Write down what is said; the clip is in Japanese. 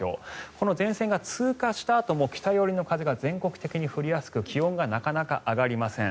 この前線が通過したあとも北寄りの風が全国的に吹きやすく気温がなかなか上がりません。